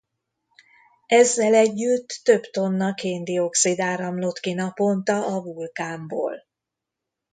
Ezzel együtt több tonna kén-dioxid áramlott ki naponta a vulkánból.